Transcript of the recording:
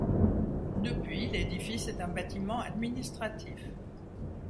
Depuis, l'édifice est un bâtiment administratif.